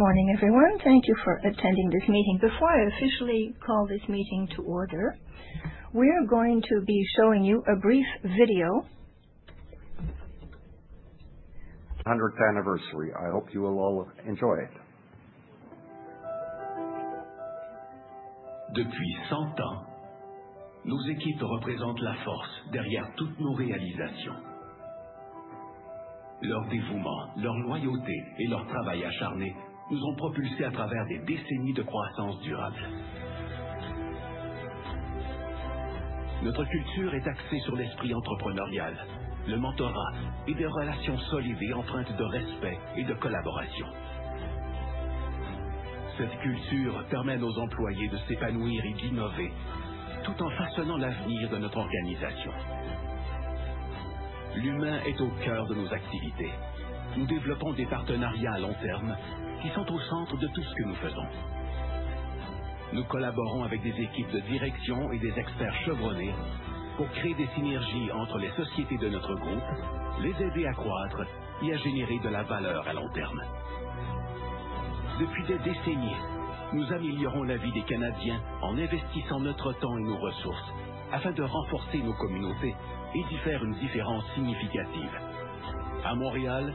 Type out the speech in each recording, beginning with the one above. Good morning, everyone. Thank you for attending this meeting. Before I officially call this meeting to order, we are going to be showing you a brief video. Hundredth anniversary. I hope you will all enjoy it. Depuis cent ans, nos équipes représentent la force derrière toutes nos réalisations. Leur dévouement, leur loyauté et leur travail acharné nous ont propulsés à travers des décennies de croissance durable. Notre culture est axée sur l'esprit entrepreneurial, le mentorat et des relations solides et empreintes de respect et de collaboration. Cette culture permet à nos employés de s'épanouir et d'innover tout en façonnant l'avenir de notre organisation. L'humain est au cœur de nos activités. Nous développons des partenariats à long terme qui sont au centre de tout ce que nous faisons. Nous collaborons avec des équipes de direction et des experts chevronnés pour créer des synergies entre les sociétés de notre groupe, les aider à croître et à générer de la valeur à long terme. Depuis des décennies, nous améliorons la vie des Canadiens en investissant notre temps et nos ressources afin de renforcer nos communautés et d'y faire une différence significative. À Montréal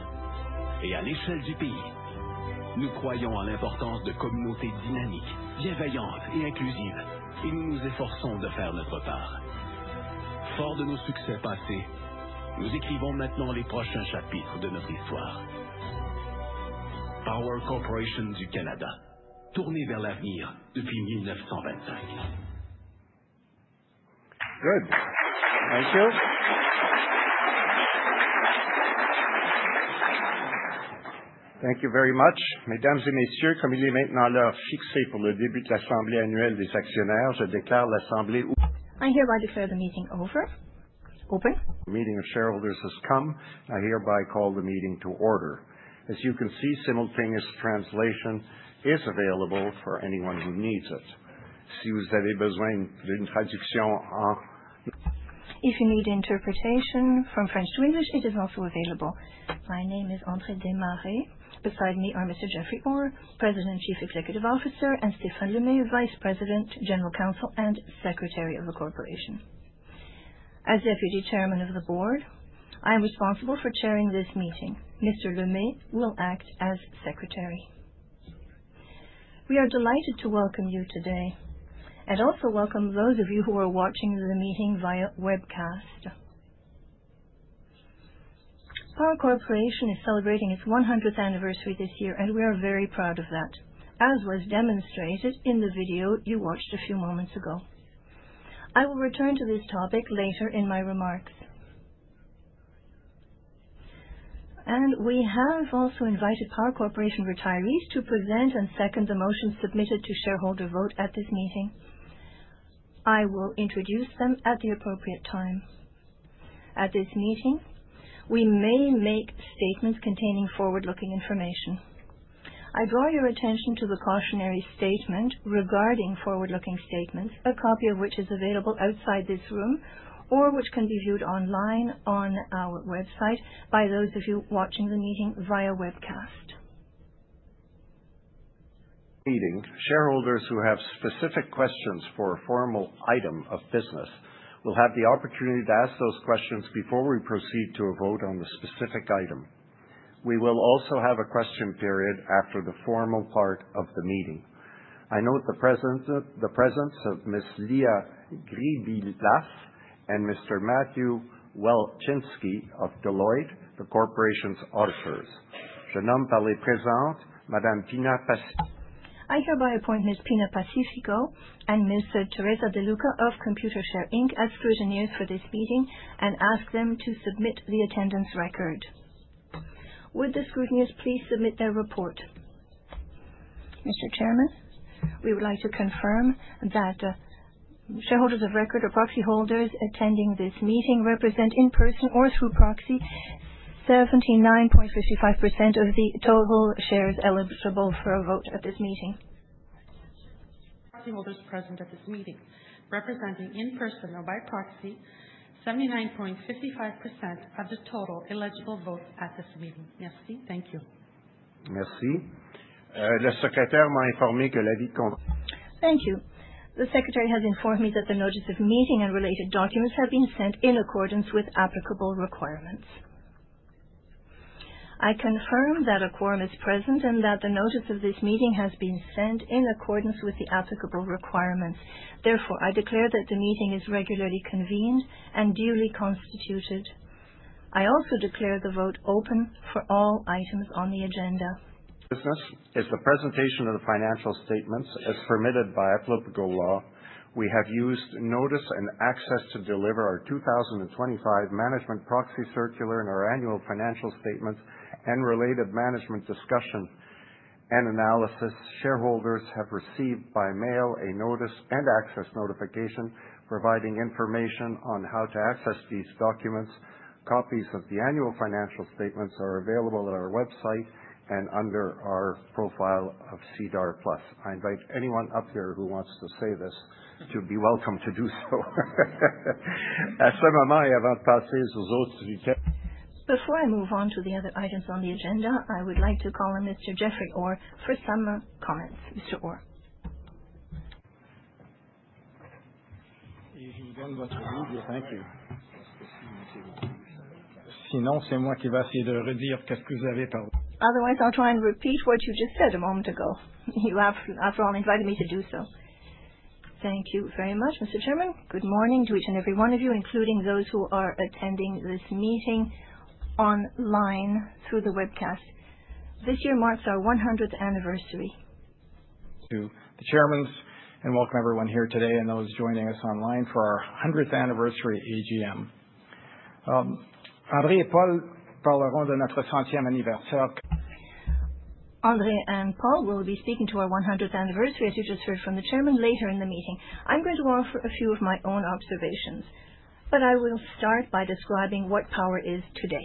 et à l'échelle du pays, nous croyons en l'importance de communautés dynamiques, bienveillantes et inclusives, et nous nous efforçons de faire notre part. Forts de nos succès passés, nous écrivons maintenant les prochains chapitres de notre histoire. Power Corporation du Canada, tournée vers l'avenir depuis 1925. Good. Thank you. Thank you very much. Mesdames et messieurs, comme il est maintenant l'heure fixée pour le début de l'assemblée annuelle des actionnaires, je déclare l'assemblée ouverte. The meeting of shareholders has come. I hereby call the meeting to order. As you can see, simultaneous translation is available for anyone who needs it. Si vous avez besoin d'une traduction en anglais, if you need interpretation from French to English, it is also available. My name is Andrée Desmarais. Beside me are Mr. Jeffrey Orr, President, Chief Executive Officer, and Stéphane Lemay, Vice President, General Counsel and Secretary of the Corporation. As Deputy Chairman of the Board, I am responsible for chairing this meeting. Mr. Lemay will act as Secretary. We are delighted to welcome you today and also welcome those of you who are watching the meeting via webcast. Power Corporation is celebrating its one hundredth anniversary this year, and we are very proud of that, as was demonstrated in the video you watched a few moments ago. I will return to this topic later in my remarks. We have also invited Power Corporation retirees to present and second the motions submitted to shareholder vote at this meeting. I will introduce them at the appropriate time. At this meeting, we may make statements containing forward-looking information. I draw your attention to the cautionary statement regarding forward-looking statements, a copy of which is available outside this room or which can be viewed online on our website by those of you watching the meeting via webcast. Meeting shareholders who have specific questions for a formal item of business will have the opportunity to ask those questions before we proceed to a vote on the specific item. We will also have a question period after the formal part of the meeting. I note the presence of Ms. Leah Gribilas and Mr. Matthew Welczynski of Deloitte, the Corporation's auditors. Je nomme par les présentes Madame Pina Pacifico et Madame Teresa De Luca de Computershare, Inc, comme scrutatrices pour cette assemblée et je leur demande de soumettre le registre de présence. Les scrutatrices pourraient-elles s'il vous plaît soumettre leur rapport? Monsieur le Président, nous aimerions confirmer que les actionnaires inscrits ou les porteurs de procuration assistant à cette assemblée représentent, en personne ou par procuration, 79.55% du total des actions admissibles à un vote lors de cette assemblée. Proxy holders present at this meeting, representing in person or by proxy, 79.55% of the total eligible votes at this meeting. Merci. Thank you. Merci. Le secrétaire m'a informé que la vie compte- Thank you. The secretary has informed me that the notice of meeting and related documents have been sent in accordance with applicable requirements. I confirm that a quorum is present and that the notice of this meeting has been sent in accordance with the applicable requirements. Therefore, I declare that the meeting is regularly convened and duly constituted. I also declare the vote open for all items on the agenda. Business is the presentation of the financial statements. As permitted by applicable law, we have used notice and access to deliver our 2025 management proxy circular and our annual financial statements and related management discussion and analysis. Shareholders have received by mail a notice and access notification providing information on how to access these documents. Copies of the annual financial statements are available on our website and under our profile of SEDAR+. I invite anyone up here who wants to say this to be welcome to do so. À ce moment, avant de passer aux autres sujets... Before I move on to the other items on the agenda, I would like to call on Mr. Jeffrey Orr for some comments. Mr. Orr? Thank you. Otherwise, I'll try and repeat what you've just said a moment ago. You after all, invited me to do so. Thank you very much, Mr. Chairman. Good morning to each and every one of you, including those who are attending this meeting online through the webcast. This year marks our one hundredth anniversary. To the chairman, and welcome everyone here today, and those joining us online for our hundredth anniversary AGM. Andre and Paul will be speaking to our one hundredth anniversary, as you just heard from the chairman, later in the meeting. I'm going to offer a few of my own observations, but I will start by describing what Power is today.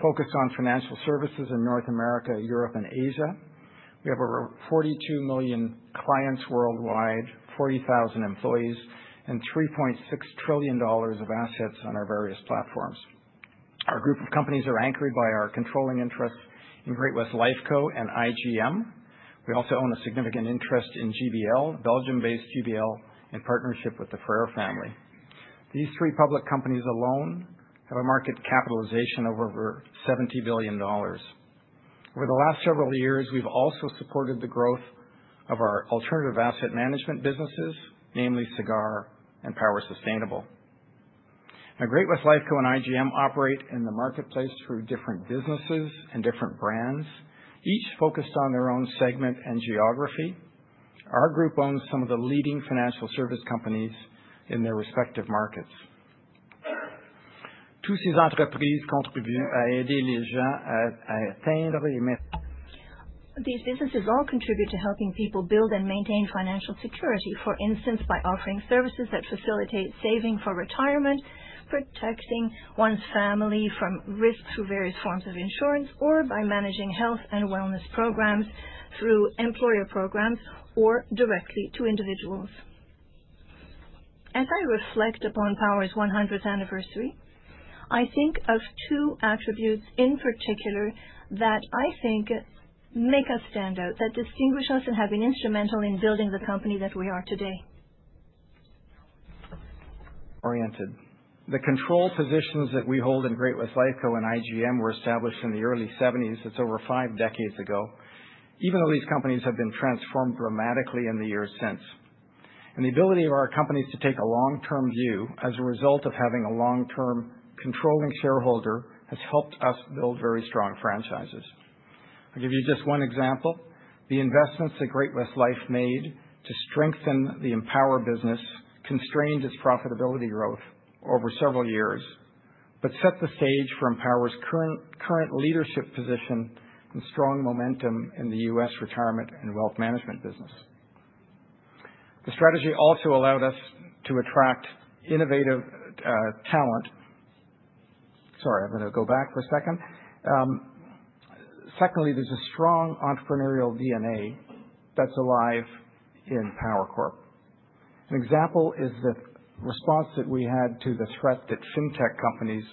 Focus on financial services in North America, Europe, and Asia. We have over forty-two million clients worldwide, forty thousand employees, and $3.6 trillion of assets on our various platforms. Our group of companies are anchored by our controlling interests in Great-West Lifeco and IGM. We also own a significant interest in GBL, Belgium-based GBL, in partnership with the Ferrer family. These three public companies alone have a market capitalization of over $70 billion. Over the last several years, we've also supported the growth of our alternative asset management businesses, namely CIGAR and Power Sustainable. Now, Great-West Lifeco and IGM operate in the marketplace through different businesses and different brands, each focused on their own segment and geography. Our group owns some of the leading financial service companies in their respective markets. These businesses all contribute to helping people build and maintain financial security. For instance, by offering services that facilitate saving for retirement, protecting one's family from risk through various forms of insurance, or by managing health and wellness programs through employer programs or directly to individuals. As I reflect upon Power's one hundredth anniversary, I think of two attributes in particular that I think make us stand out, that distinguish us, and have been instrumental in building the company that we are today. Oriented. The control positions that we hold in Great-West Lifeco and IGM were established in the early seventies. That's over five decades ago, even though these companies have been transformed dramatically in the years since. The ability of our companies to take a long-term view as a result of having a long-term controlling shareholder has helped us build very strong franchises. I'll give you just one example: The investments that Great-West Life made to strengthen the Empower business constrained its profitability growth over several years, but set the stage for Empower's current leadership position and strong momentum in the US retirement and wealth management business. The strategy also allowed us to attract innovative talent. I'm going to go back for a second. Secondly, there's a strong entrepreneurial DNA that's alive in Power Corp. An example is the response that we had to the threat that FinTech companies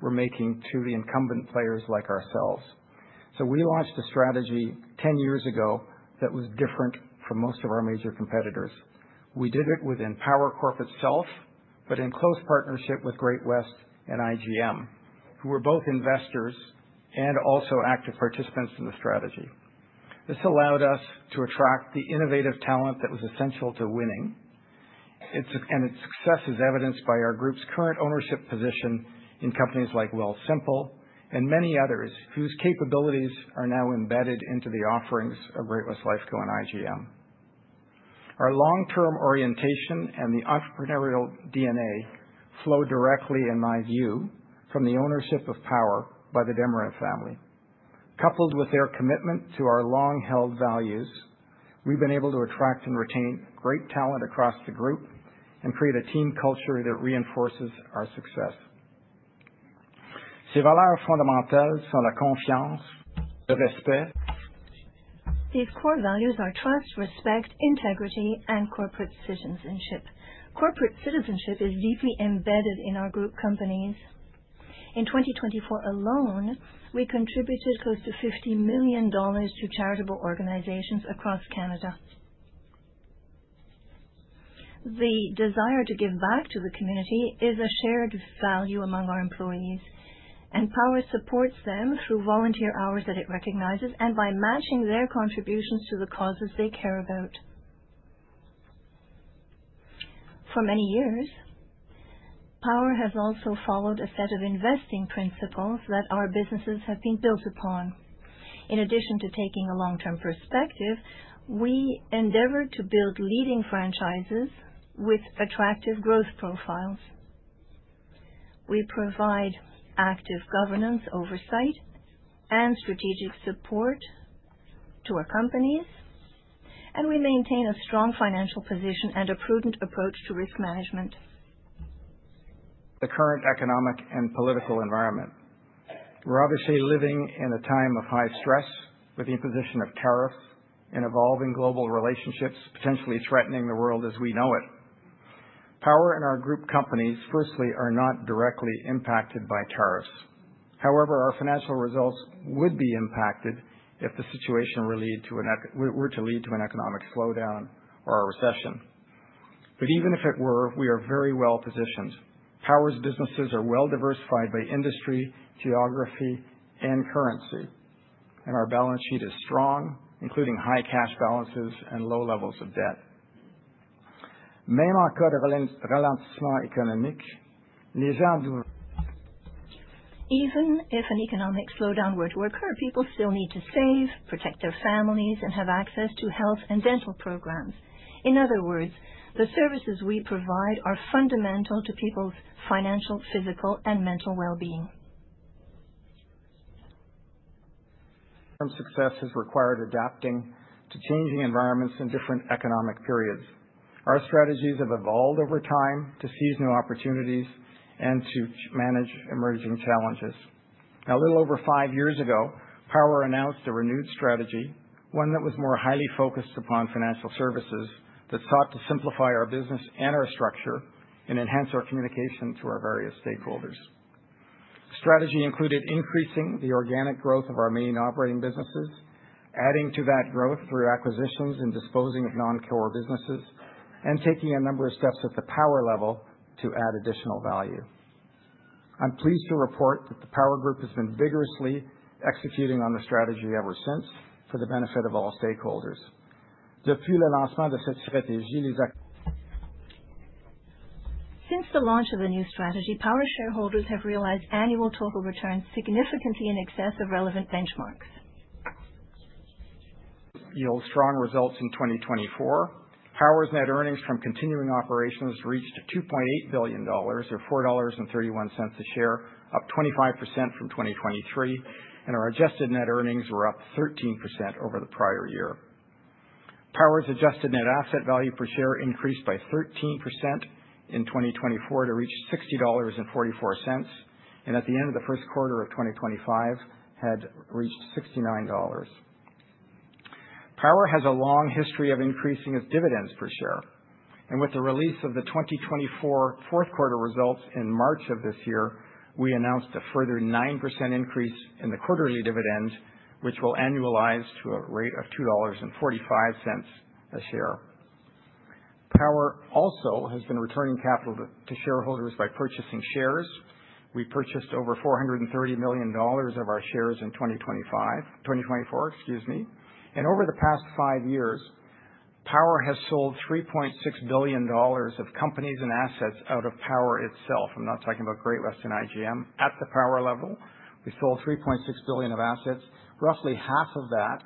were making to the incumbent players like ourselves. We launched a strategy ten years ago that was different from most of our major competitors. We did it within Power Corp itself, but in close partnership with Great-West and IGM, who were both investors and also active participants in the strategy. This allowed us to attract the innovative talent that was essential to winning. Its success is evidenced by our group's current ownership position in companies like Wealthsimple and many others, whose capabilities are now embedded into the offerings of Great-West Lifeco and IGM. Our long-term orientation and the entrepreneurial DNA flow directly, in my view, from the ownership of Power by the Desmarais family. Coupled with their commitment to our long-held values, we've been able to attract and retain great talent across the group and create a team culture that reinforces our success. These core values are trust, respect, integrity, and corporate citizenship. Corporate citizenship is deeply embedded in our group companies. In 2024 alone, we contributed close to $50 million to charitable organizations across Canada. The desire to give back to the community is a shared value among our employees, and Power supports them through volunteer hours that it recognizes and by matching their contributions to the causes they care about. For many years, Power has also followed a set of investing principles that our businesses have been built upon. In addition to taking a long-term perspective, we endeavor to build leading franchises with attractive growth profiles. We provide active governance, oversight, and strategic support to our companies, and we maintain a strong financial position and a prudent approach to risk management. The current economic and political environment... We're obviously living in a time of high stress with the imposition of tariffs and evolving global relationships, potentially threatening the world as we know it. Power and our group companies, firstly, are not directly impacted by tariffs. However, our financial results would be impacted if the situation were to lead to an economic slowdown or a recession. But even if it were, we are very well positioned. Power's businesses are well diversified by industry, geography, and currency, and our balance sheet is strong, including high cash balances and low levels of debt. Even if an economic slowdown were to occur, people still need to save, protect their families, and have access to health and dental programs. In other words, the services we provide are fundamental to people's financial, physical, and mental well-being. Some success has required adapting to changing environments in different economic periods. Our strategies have evolved over time to seize new opportunities and to manage emerging challenges. A little over five years ago, Power announced a renewed strategy, one that was more highly focused upon financial services, that sought to simplify our business and our structure and enhance our communication to our various stakeholders. Strategy included increasing the organic growth of our main operating businesses, adding to that growth through acquisitions and disposing of non-core businesses, and taking a number of steps at the Power level to add additional value. I'm pleased to report that the Power Group has been vigorously executing on the strategy ever since for the benefit of all stakeholders. Since the launch of the new strategy, Power shareholders have realized annual total returns significantly in excess of relevant benchmarks. Yield strong results in 2024. Power's net earnings from continuing operations reached $2.8 billion, or $4.31 per share, up 25% from 2023, and our adjusted net earnings were up 13% over the prior year. Power's adjusted net asset value per share increased by 13% in 2024 to reach $60.44, and at the end of the first quarter of 2025, had reached $69. Power has a long history of increasing its dividends per share, and with the release of the 2024 fourth quarter results in March of this year, we announced a further 9% increase in the quarterly dividends, which will annualize to a rate of $2.45 per share. Power also has been returning capital to shareholders by purchasing shares. We purchased over $430 million of our shares in 2024, excuse me. Over the past five years, Power has sold $3.6 billion of companies and assets out of Power itself. I'm not talking about Great-West and IGM. At the Power level, we sold $3.6 billion of assets. Roughly half of that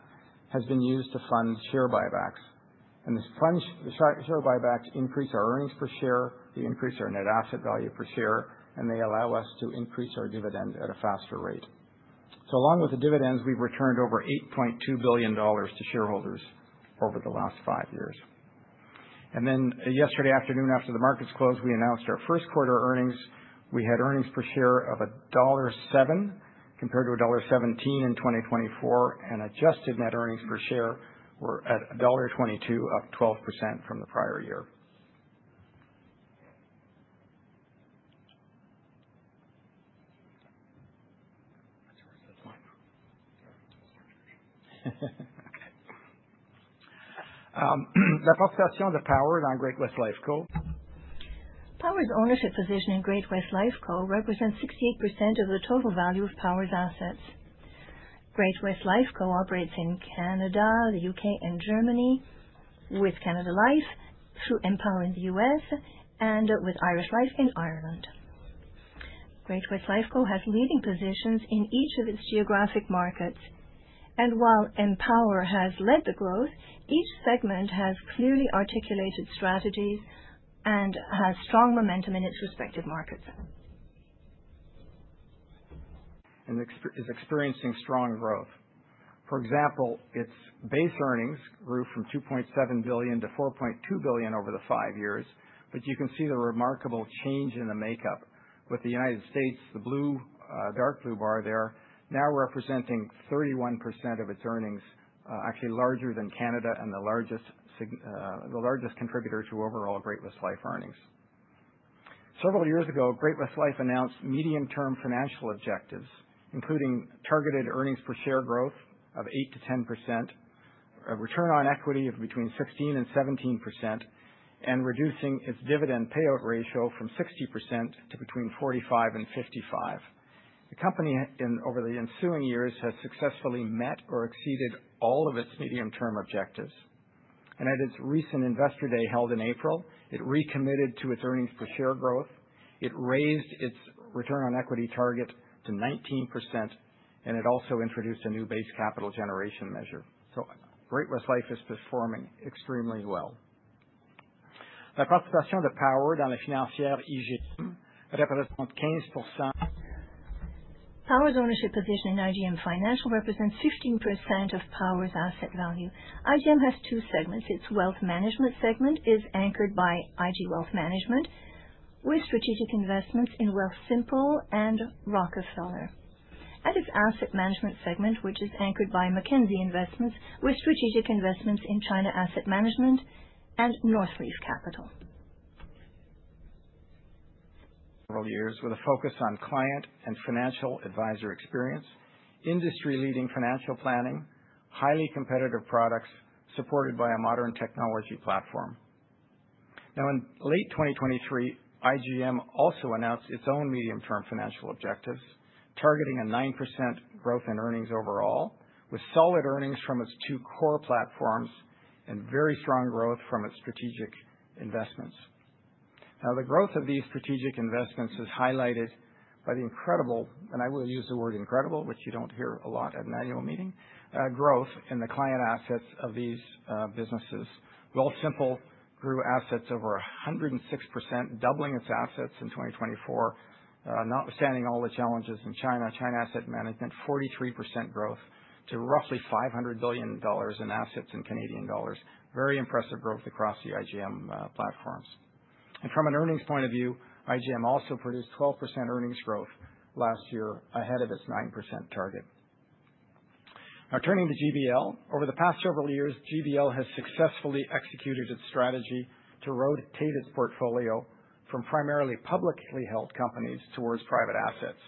has been used to fund share buybacks, and these share buybacks increase our earnings per share, they increase our net asset value per share, and they allow us to increase our dividend at a faster rate. Along with the dividends, we've returned over $8.2 billion to shareholders over the last five years. Yesterday afternoon, after the markets closed, we announced our first quarter earnings. We had earnings per share of $1.07, compared to $1.17 in 2024, and adjusted net earnings per share were at $1.22, up 12% from the prior year. The participation of Power on Great-West Life Co. Power's ownership position in Great-West Life Co. represents 68% of the total value of Power's assets. Great-West Life Co. operates in Canada, the UK, and Germany, with Canada Life through Empower in the US and with Irish Life in Ireland. Great-West Life Co. has leading positions in each of its geographic markets, and while Empower has led the growth, each segment has clearly articulated strategies and has strong momentum in its respective markets. And is experiencing strong growth. For example, its base earnings grew from $2.7 billion to $4.2 billion over the five years. But you can see the remarkable change in the makeup with the United States, the blue, dark blue bar there, now representing 31% of its earnings, actually larger than Canada and the largest contributor to overall Great-West Life earnings. Several years ago, Great-West Life announced medium-term financial objectives, including targeted earnings per share growth of 8% to 10%, a return on equity of between 16% and 17%, and reducing its dividend payout ratio from 60% to between 45% and 55%. The company in, over the ensuing years, has successfully met or exceeded all of its medium-term objectives. At its recent Investor Day, held in April, it recommitted to its earnings per share growth, it raised its return on equity target to 19%, and it also introduced a new base capital generation measure. Great-West Life is performing extremely well. Power's ownership position in IGM Financial represents 15% of Power's asset value. IGM has two segments: its wealth management segment is anchored by IG Wealth Management, with strategic investments in Wealthsimple and Rockefeller, and its asset management segment, which is anchored by Mackenzie Investments, with strategic investments in China Asset Management and Northleaf Capital. Several years with a focus on client and financial advisor experience, industry-leading financial planning, highly competitive products supported by a modern technology platform. Now, in late 2023, IGM also announced its own medium-term financial objectives, targeting a 9% growth in earnings overall, with solid earnings from its two core platforms and very strong growth from its strategic investments. Now, the growth of these strategic investments is highlighted by the incredible, and I will use the word incredible, which you don't hear a lot at an annual meeting, growth in the client assets of these businesses. Wealthsimple grew assets over 106%, doubling its assets in 2024. Notwithstanding all the challenges in China, China Asset Management, 43% growth to roughly $500 billion in assets in Canadian dollars. Very impressive growth across the IGM platforms. From an earnings point of view, IGM also produced 12% earnings growth last year, ahead of its 9% target. Turning to GBL, over the past several years, GBL has successfully executed its strategy to rotate its portfolio from primarily publicly held companies towards private assets.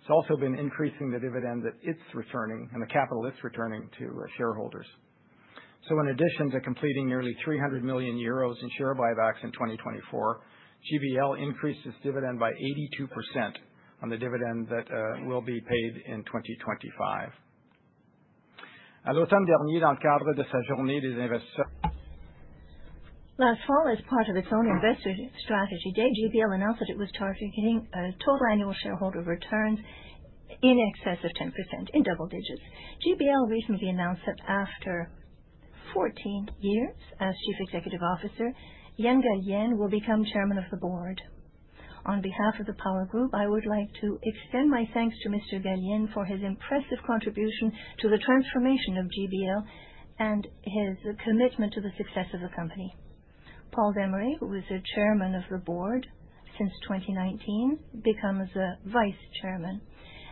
It's also been increasing the dividend that it's returning and the capital it's returning to shareholders. In addition to completing nearly €300 million in share buybacks in 2024, GBL increased its dividend by 82% on the dividend that will be paid in 2025. Last fall, as part of its own investor strategy, GBL announced that it was targeting a total annual shareholder return in excess of 10%, in double digits. GBL recently announced that after fourteen years as chief executive officer, Ian Gallienne will become Chairman of the Board. On behalf of the Power Group, I would like to extend my thanks to Mr. Gallienne for his impressive contribution to the transformation of GBL and his commitment to the success of the company. Paul Desmarais, who was the Chairman of the Board since 2019, becomes the Vice Chairman,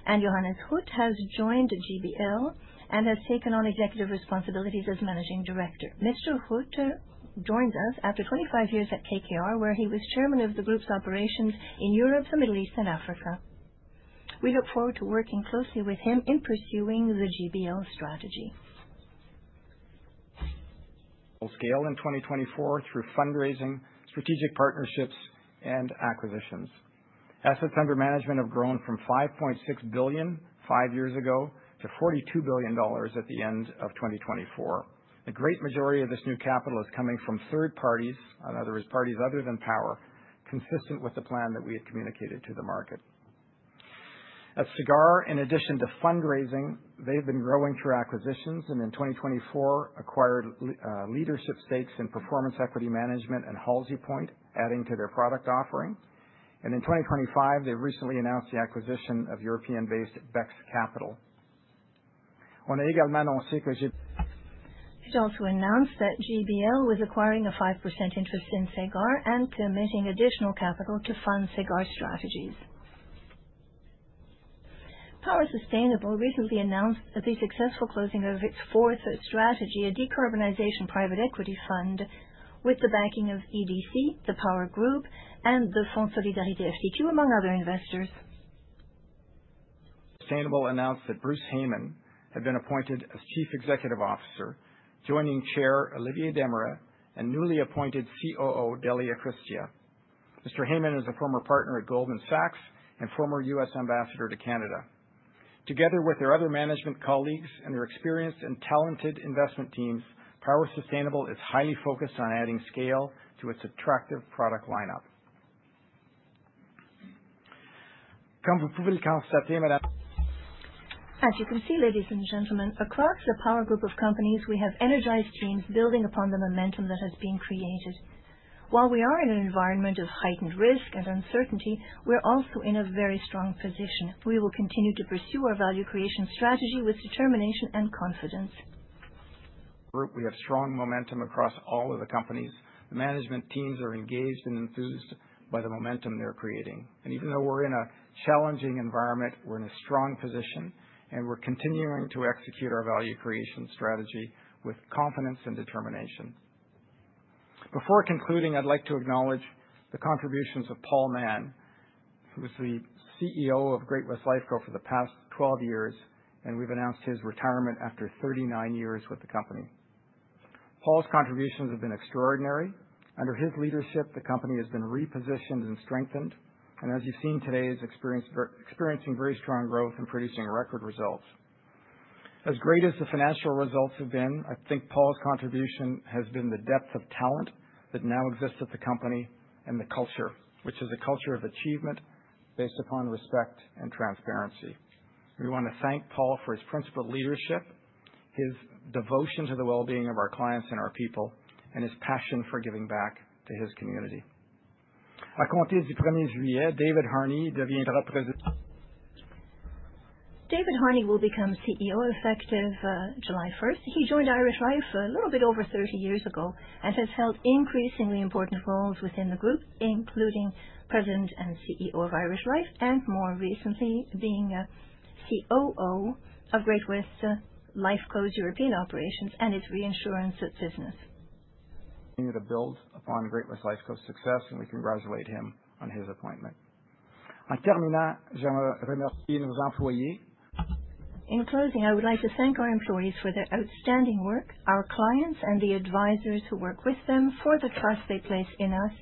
and Johannes Huth has joined GBL and has taken on executive responsibilities as Managing Director. Mr. Huth joins us after twenty-five years at KKR, where he was Chairman of the group's operations in Europe, the Middle East, and Africa. We look forward to working closely with him in pursuing the GBL strategy. Will scale in 2024 through fundraising, strategic partnerships, and acquisitions. Assets under management have grown from $5.6 billion five years ago to $42 billion at the end of 2024. A great majority of this new capital is coming from third parties, in other words, parties other than Power, consistent with the plan that we had communicated to the market. At Segar, in addition to fundraising, they've been growing through acquisitions, and in 2024 acquired leadership stakes in Performance Equity Management and Halsey Point, adding to their product offering. In 2025, they recently announced the acquisition of European-based Bex Capital. It also announced that GBL was acquiring a 5% interest in Segar and committing additional capital to fund Segar strategies. Power Sustainable recently announced the successful closing of its fourth strategy, a decarbonization private equity fund, with the backing of EDC, the Power Group, and the Fund Solidarité FTQ, among other investors. Power Sustainable announced that Bruce Heyman had been appointed as Chief Executive Officer, joining Chair Olivier Desmarais and newly appointed COO Delia Chrystia. Mr. Heyman is a former partner at Goldman Sachs and former U.S. Ambassador to Canada. Together with their other management colleagues and their experienced and talented investment teams, Power Sustainable is highly focused on adding scale to its attractive product lineup. As you can see, ladies and gentlemen, across the Power Group of companies, we have energized teams building upon the momentum that has been created. While we are in an environment of heightened risk and uncertainty, we're also in a very strong position. We will continue to pursue our value creation strategy with determination and confidence. Group, we have strong momentum across all of the companies. The management teams are engaged and enthused by the momentum they're creating, and even though we're in a challenging environment, we're in a strong position, and we're continuing to execute our value creation strategy with confidence and determination. Before concluding, I'd like to acknowledge the contributions of Paul Mann, who was the CEO of Great-West Lifeco for the past twelve years, and we've announced his retirement after thirty-nine years with the company. Paul's contributions have been extraordinary. Under his leadership, the company has been repositioned and strengthened, and as you've seen today, he's experiencing very strong growth and producing record results. As great as the financial results have been, I think Paul's contribution has been the depth of talent that now exists at the company and the culture, which is a culture of achievement based upon respect and transparency. We want to thank Paul for his principled leadership, his devotion to the well-being of our clients and our people, and his passion for giving back to his community. David Harney will become CEO effective July first. He joined Irish Life a little bit over thirty years ago and has held increasingly important roles within the group, including President and CEO of Irish Life, and more recently, being COO of Great-West Lifeco's European operations and its reinsurance business. Continue to build upon Great-West Lifeco's success, and we congratulate him on his appointment. In closing, I would like to thank our employees for their outstanding work, our clients and the advisors who work with them for the trust they place in us,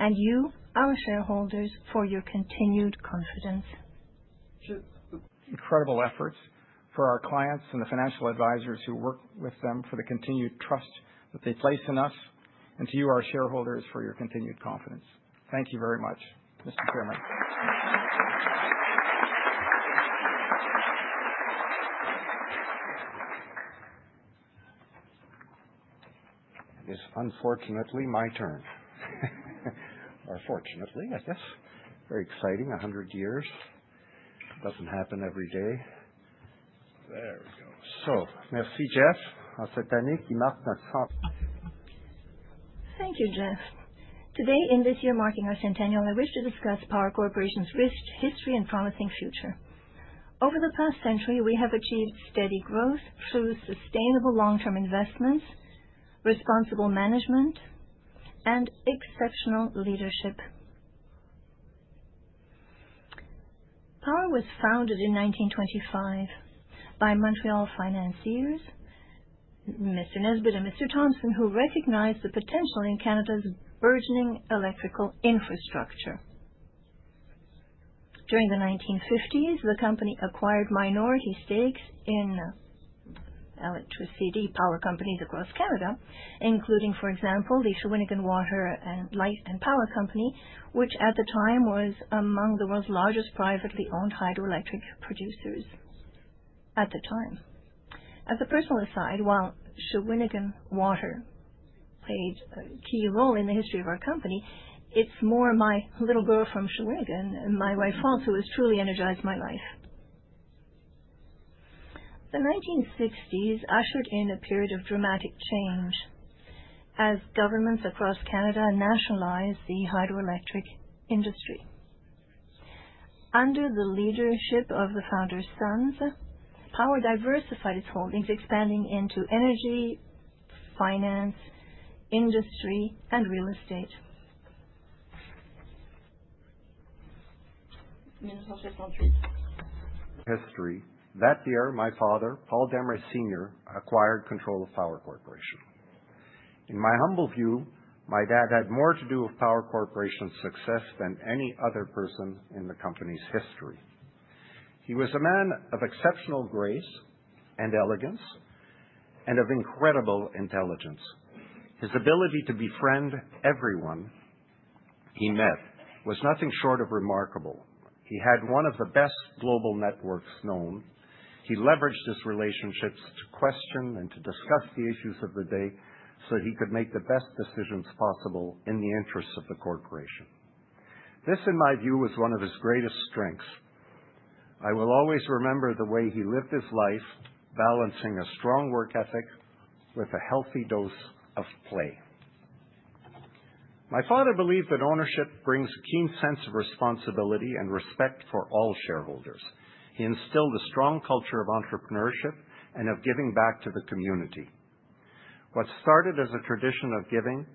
and you, our shareholders, for your continued confidence. Incredible efforts for our clients and the financial advisors who work with them, for the continued trust that they place in us, and to you, our shareholders, for your continued confidence. Thank you very much, Mr. Chairman. It is unfortunately my turn. Or fortunately, I guess. Very exciting, a hundred years. Doesn't happen every day. There we go. So merci, Jeff. Thank you, Jeff. Today, in this year marking our centennial, I wish to discuss Power Corporation's rich history and promising future. Over the past century, we have achieved steady growth through sustainable long-term investments, responsible management, and exceptional leadership. Power was founded in 1925 by Montreal financiers, Mr. Nesbit and Mr. Thompson, who recognized the potential in Canada's burgeoning electrical infrastructure. During the 1950s, the company acquired minority stakes in electricity power companies across Canada, including, for example, the Shawinigan Water and Light and Power Company, which at the time was among the world's largest privately owned hydroelectric producers. As a personal aside, while Shawinigan Water played a key role in the history of our company, it's more my little girl from Shawinigan, and my wife, also, has truly energized my life. The 1960s ushered in a period of dramatic change as governments across Canada nationalized the hydroelectric industry. Under the leadership of the founder's sons, Power diversified its holdings, expanding into energy, finance, industry, and real estate. History. That year, my father, Paul Desmarais Senior, acquired control of Power Corporation. In my humble view, my dad had more to do with Power Corporation's success than any other person in the company's history. He was a man of exceptional grace and elegance and of incredible intelligence. His ability to befriend everyone he met was nothing short of remarkable. He had one of the best global networks known. He leveraged his relationships to question and to discuss the issues of the day so he could make the best decisions possible in the interests of the corporation. This, in my view, was one of his greatest strengths. I will always remember the way he lived his life, balancing a strong work ethic with a healthy dose of play. My father believed that ownership brings a keen sense of responsibility and respect for all shareholders. He instilled a strong culture of entrepreneurship and of giving back to the community. What started as a tradition of giving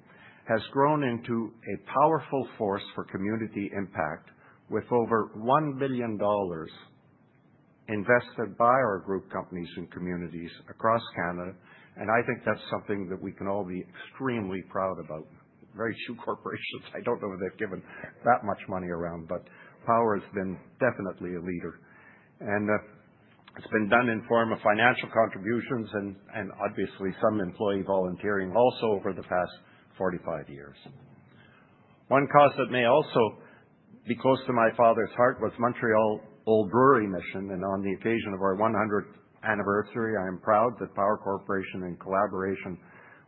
has grown into a powerful force for community impact, with over $1 billion invested by our group companies in communities across Canada, and I think that's something that we can all be extremely proud about. Very few corporations, I don't know that they've given that much money around, but Power has been definitely a leader, and it's been done in form of financial contributions and obviously some employee volunteering also over the past forty-five years. One cause that may also be close to my father's heart was Montreal Old Brewery Mission, and on the occasion of our one hundredth anniversary, I am proud that Power Corporation, in collaboration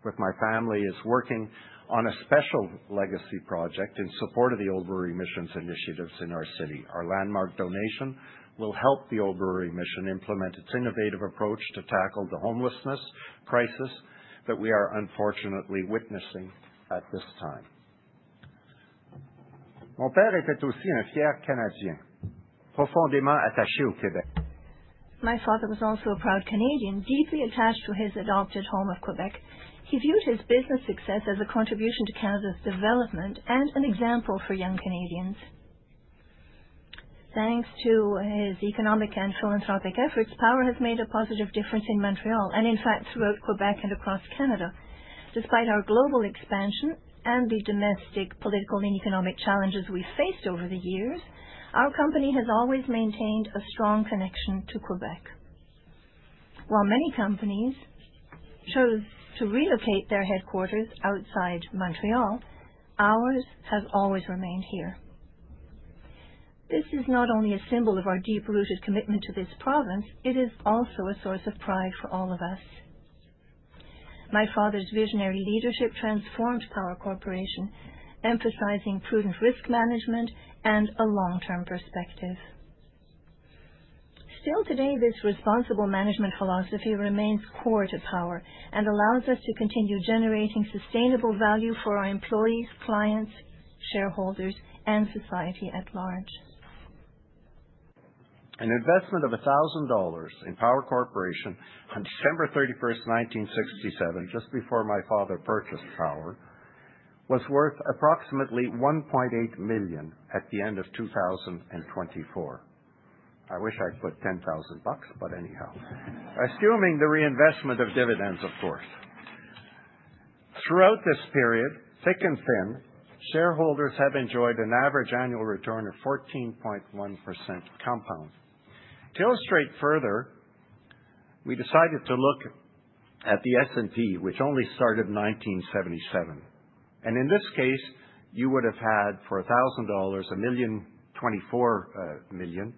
with my family, is working on a special legacy project in support of the Old Brewery Mission's initiatives in our city. Our landmark donation will help the Old Brewery Mission implement its innovative approach to tackle the homelessness crisis that we are unfortunately witnessing at this time. My father was also a proud Canadian, deeply attached to his adopted home of Quebec. He viewed his business success as a contribution to Canada's development and an example for young Canadians. Thanks to his economic and philanthropic efforts, Power has made a positive difference in Montreal and, in fact, throughout Quebec and across Canada. Despite our global expansion and the domestic, political, and economic challenges we faced over the years, our company has always maintained a strong connection to Quebec. While many companies chose to relocate their headquarters outside Montreal, ours have always remained here. This is not only a symbol of our deep-rooted commitment to this province, it is also a source of pride for all of us. My father's visionary leadership transformed Power Corporation, emphasizing prudent risk management and a long-term perspective. Still today, this responsible management philosophy remains core to Power and allows us to continue generating sustainable value for our employees, clients, shareholders, and society at large. An investment of $1,000 in Power Corporation on December 31st, 1967, just before my father purchased Power, was worth approximately $1.8 million at the end of 2024. I wish I'd put $10,000, but anyhow. Assuming the reinvestment of dividends, of course. Throughout this period, thick and thin, shareholders have enjoyed an average annual return of 14.1% compound. To illustrate further, we decided to look at the S&P, which only started in 1977, and in this case, you would have had, for $1,000, $1.024 million,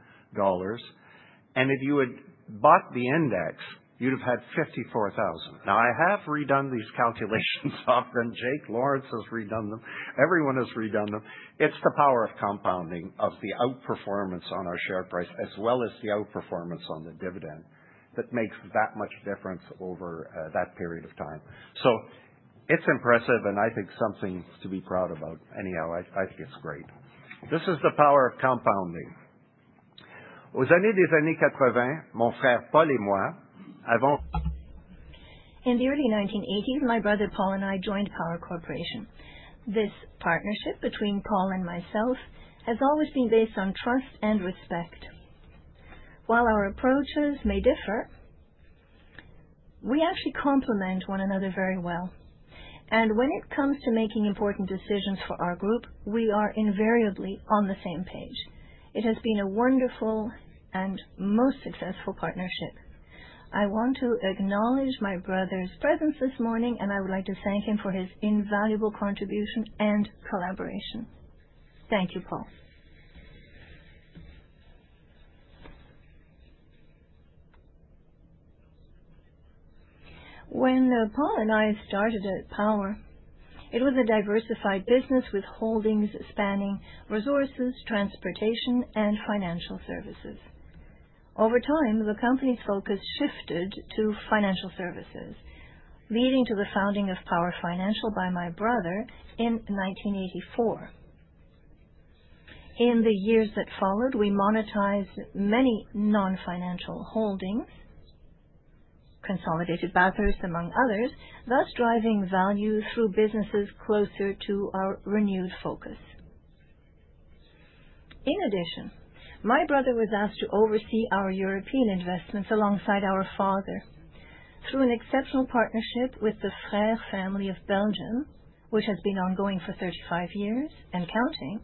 and if you had bought the index, you'd have had $54,000. Now, I have redone these calculations often. Jake Lawrence has redone them. Everyone has redone them. It's the power of compounding, of the outperformance on our share price, as well as the outperformance on the dividend that makes that much difference over that period of time. So it's impressive, and I think something to be proud about. Anyhow, I think it's great. This is the power of compounding. In the early 1980s, my brother Paul and I joined Power Corporation. This partnership between Paul and myself has always been based on trust and respect. While our approaches may differ, we actually complement one another very well, and when it comes to making important decisions for our group, we are invariably on the same page. It has been a wonderful and most successful partnership. I want to acknowledge my brother's presence this morning, and I would like to thank him for his invaluable contribution and collaboration. Thank you, Paul. When Paul and I started at Power, it was a diversified business with holdings spanning resources, transportation, and financial services. Over time, the company's focus shifted to financial services, leading to the founding of Power Financial by my brother in 1984. In the years that followed, we monetized many non-financial holdings, consolidated businesses, among others, thus driving value through businesses closer to our renewed focus. In addition, my brother was asked to oversee our European investments alongside our father. Through an exceptional partnership with the Frère family of Belgium, which has been ongoing for thirty-five years and counting,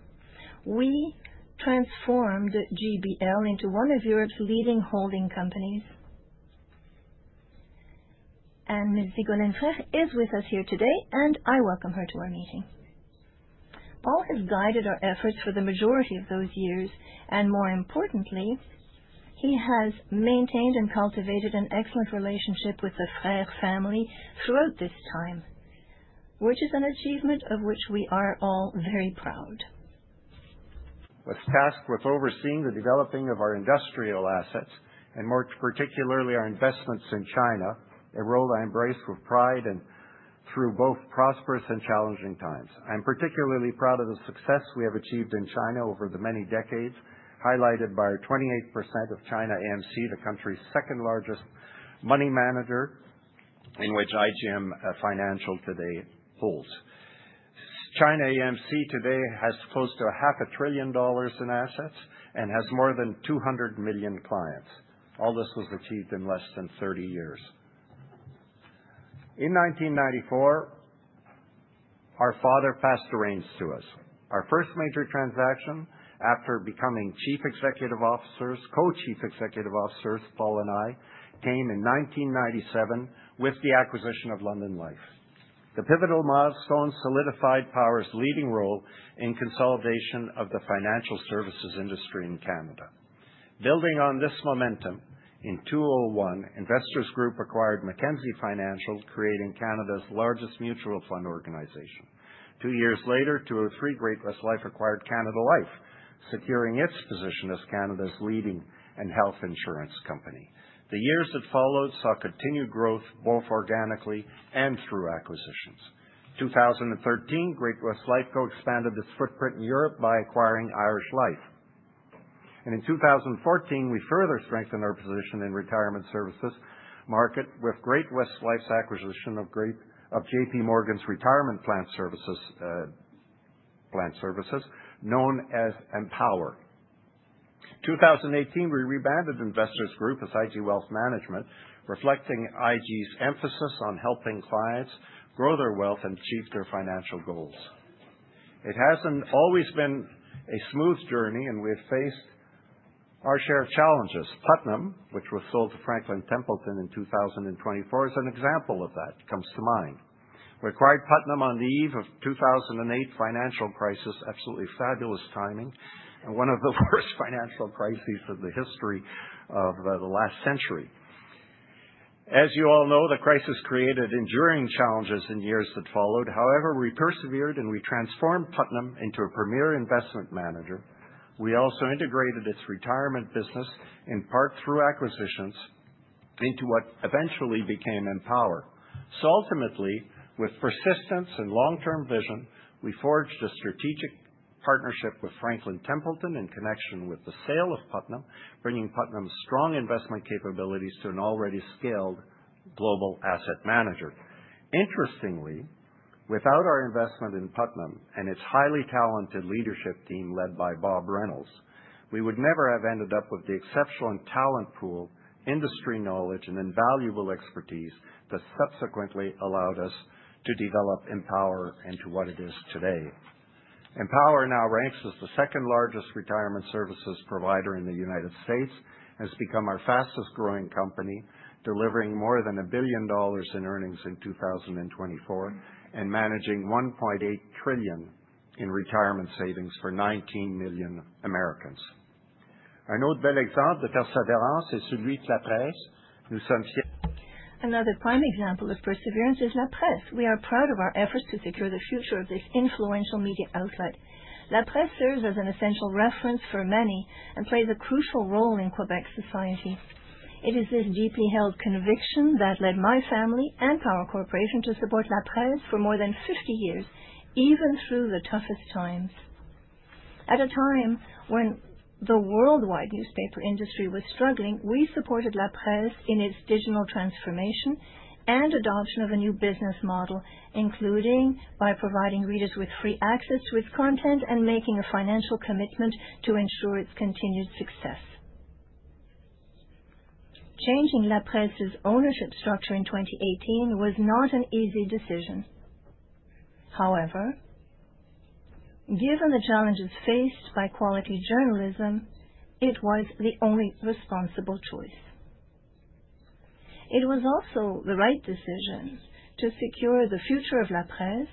we transformed GBL into one of Europe's leading holding companies. Ms. Nicole Frère is with us here today, and I welcome her to our meeting. Paul has guided our efforts for the majority of those years, and more importantly, he has maintained and cultivated an excellent relationship with the Frère family throughout this time, which is an achievement of which we are all very proud. I was tasked with overseeing the developing of our industrial assets and more particularly, our investments in China, a role I embrace with pride and through both prosperous and challenging times. I'm particularly proud of the success we have achieved in China over the many decades, highlighted by 28% of China AMC, the country's second largest money manager, in which IGM Financial today holds. China AMC today has close to $500 billion in assets and has more than 200 million clients. All this was achieved in less than 30 years. In 1994, our father passed the reins to us. Our first major transaction after becoming Chief Executive Officers, Co-Chief Executive Officers, Paul and I, came in 1997 with the acquisition of London Life. The pivotal milestone solidified Power's leading role in consolidation of the financial services industry in Canada. Building on this momentum, in 2001, Investors Group acquired Mackenzie Financial, creating Canada's largest mutual fund organization. Two years later, 2003, Great-West Life acquired Canada Life, securing its position as Canada's leading life and health insurance company. The years that followed saw continued growth, both organically and through acquisitions. 2013, Great-West Lifeco expanded its footprint in Europe by acquiring Irish Life. In 2014, we further strengthened our position in retirement services market with Great-West Life's acquisition of JP Morgan's retirement plan services known as Empower. 2018, we rebranded Investors Group as IG Wealth Management, reflecting IG's emphasis on helping clients grow their wealth and achieve their financial goals. It hasn't always been a smooth journey, and we have faced our share of challenges. Putnam, which was sold to Franklin Templeton in 2024, is an example of that, comes to mind. We acquired Putnam on the eve of 2008 financial crisis. Absolutely fabulous timing, and one of the worst financial crises in the history of the last century. As you all know, the crisis created enduring challenges in years that followed. However, we persevered, and we transformed Putnam into a premier investment manager. We also integrated its retirement business, in part through acquisitions, into what eventually became Empower. So ultimately, with persistence and long-term vision, we forged a strategic partnership with Franklin Templeton in connection with the sale of Putnam, bringing Putnam's strong investment capabilities to an already scaled global asset manager. Interestingly, without our investment in Putnam and its highly talented leadership team, led by Bob Reynolds, we would never have ended up with the exceptional talent pool, industry knowledge, and invaluable expertise that subsequently allowed us to develop Empower into what it is today. Empower now ranks as the second-largest retirement services provider in the United States and has become our fastest-growing company, delivering more than $1 billion in earnings in 2024, and managing $1.8 trillion in retirement savings for 19 million Americans. Another prime example of perseverance is La Presse. We are proud of our efforts to secure the future of this influential media outlet. La Presse serves as an essential reference for many and plays a crucial role in Quebec society. It is this deeply held conviction that led my family and Power Corporation to support La Presse for more than 50 years, even through the toughest times. At a time when the worldwide newspaper industry was struggling, we supported La Presse in its digital transformation and adoption of a new business model, including by providing readers with free access to content and making a financial commitment to ensure its continued success. Changing La Presse's ownership structure in 2018 was not an easy decision. However, given the challenges faced by quality journalism, it was the only responsible choice. It was also the right decision to secure the future of La Presse,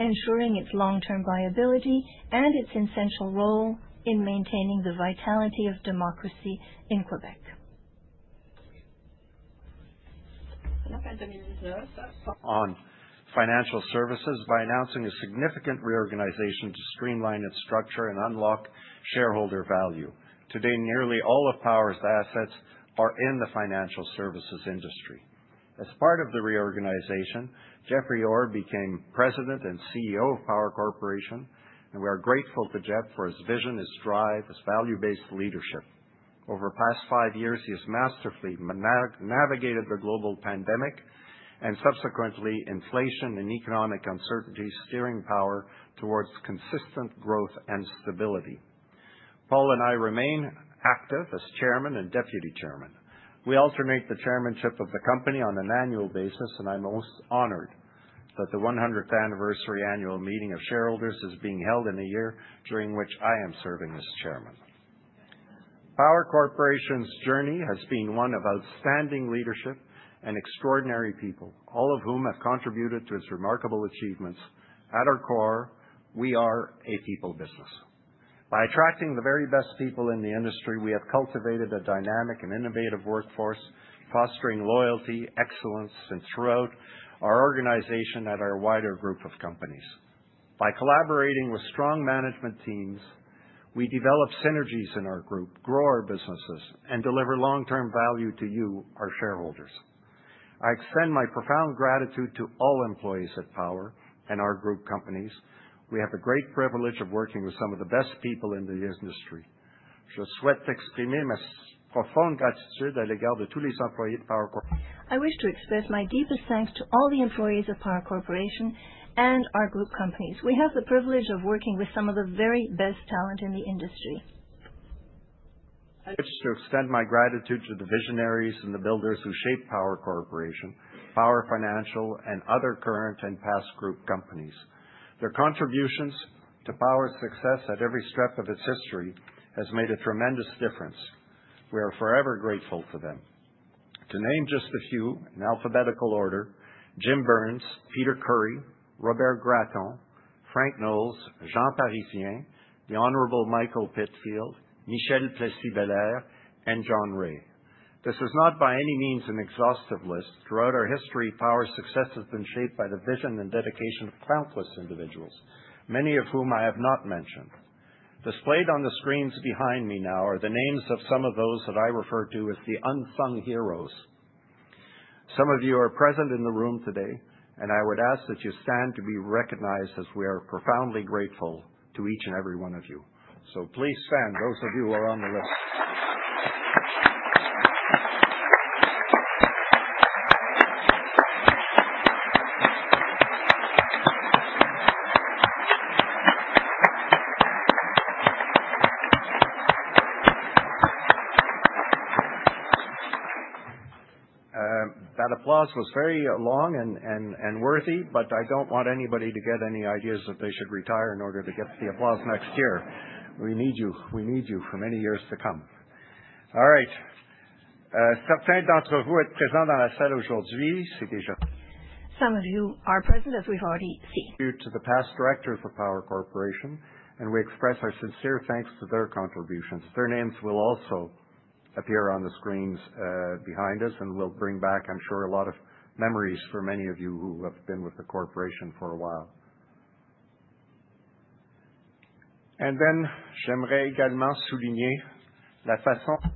ensuring its long-term viability and its essential role in maintaining the vitality of democracy in Quebec. On financial services by announcing a significant reorganization to streamline its structure and unlock shareholder value. Today, nearly all of Power's assets are in the financial services industry. As part of the reorganization, Jeffrey Orr became President and CEO of Power Corporation, and we are grateful to Jeff for his vision, his drive, his value-based leadership. Over the past five years, he has masterfully navigated the global pandemic and subsequently, inflation and economic uncertainty, steering Power towards consistent growth and stability. Paul and I remain active as Chairman and Deputy Chairman. We alternate the chairmanship of the company on an annual basis, and I'm most honored that the one-hundredth anniversary annual meeting of shareholders is being held in a year during which I am serving as Chairman. Power Corporation's journey has been one of outstanding leadership and extraordinary people, all of whom have contributed to its remarkable achievements. At our core, we are a people business. By attracting the very best people in the industry, we have cultivated a dynamic and innovative workforce, fostering loyalty and excellence throughout our organization and our wider group of companies. By collaborating with strong management teams, we develop synergies in our group, grow our businesses, and deliver long-term value to you, our shareholders. I extend my profound gratitude to all employees at Power and our group companies. We have the great privilege of working with some of the best people in the industry. I wish to express my deepest thanks to all the employees of Power Corporation and our group companies. We have the privilege of working with some of the very best talent in the industry. I wish to extend my gratitude to the visionaries and the builders who shaped Power Corporation, Power Financial, and other current and past group companies. Their contributions to Power's success at every step of its history has made a tremendous difference. We are forever grateful to them. To name just a few, in alphabetical order: Jim Burns, Peter Curry, Robert Gratton, Frank Knowles, Jean Parisien, The Honorable Michael Pitfield, Michel Plessis-Bellair, and John Ray. This is not by any means an exhaustive list. Throughout our history, Power's success has been shaped by the vision and dedication of countless individuals, many of whom I have not mentioned. Displayed on the screens behind me now are the names of some of those that I refer to as the unsung heroes. Some of you are present in the room today, and I would ask that you stand to be recognized, as we are profoundly grateful to each and every one of you. So please stand, those of you who are on the list. That applause was very long and worthy, but I don't want anybody to get any ideas that they should retire in order to get the applause next year. We need you. We need you for many years to come. All right. Certains d'entre vous êtes présents dans la salle aujourd'hui, c'est déjà. Some of you are present, as we've already seen. Due to the past directors of Power Corporation, and we express our sincere thanks to their contributions. Their names will also appear on the screens behind us, and will bring back, I'm sure, a lot of memories for many of you who have been with the corporation for a while. Et puis, j'aimerais également souligner la façon-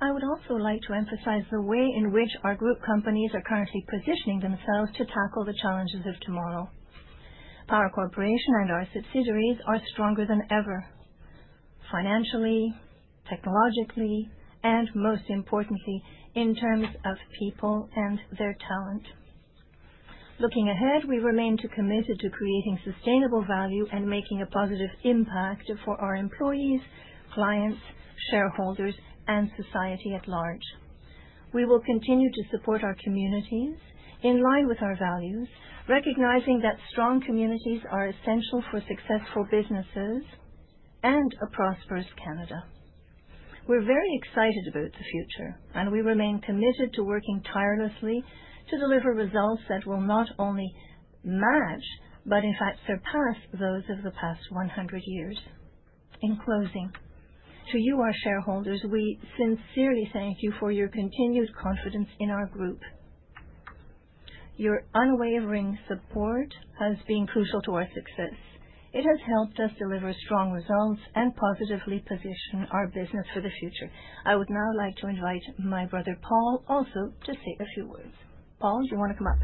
I would also like to emphasize the way in which our group companies are currently positioning themselves to tackle the challenges of tomorrow. Power Corporation and our subsidiaries are stronger than ever, financially, technologically, and most importantly, in terms of people and their talent. Looking ahead, we remain committed to creating sustainable value and making a positive impact for our employees, clients, shareholders, and society at large. We will continue to support our communities in line with our values, recognizing that strong communities are essential for successful businesses and a prosperous Canada. We're very excited about the future, and we remain committed to working tirelessly to deliver results that will not only match, but in fact, surpass those of the past one hundred years. In closing, to you, our shareholders, we sincerely thank you for your continued confidence in our group. Your unwavering support has been crucial to our success. It has helped us deliver strong results and positively position our business for the future. I would now like to invite my brother, Paul, also to say a few words. Paul, do you want to come up?